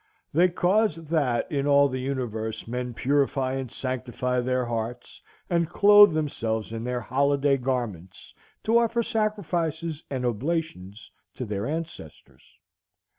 "They cause that in all the universe men purify and sanctify their hearts, and clothe themselves in their holiday garments to offer sacrifices and oblations to their ancestors.